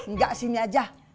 engga sini aja